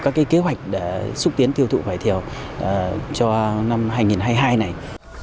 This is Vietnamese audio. các kế hoạch để xúc tiến tiêu thụ vải thiều cho năm hai nghìn hai mươi hai này